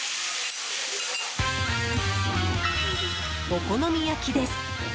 お好み焼きです。